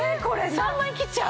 ３万円切っちゃう？